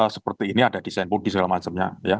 seperti ini ada design bodi segala macamnya